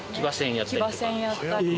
騎馬戦やったりとか。